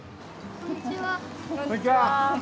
こんにちは。